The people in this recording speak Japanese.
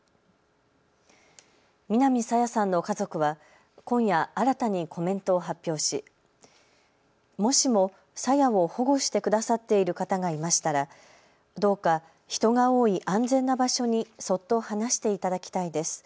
南朝芽さんの家族は今夜、新たにコメントを発表しもしも、朝芽を保護してくださっている方がいましたらどうか人が多い安全な場所にそっと離していただきたいです。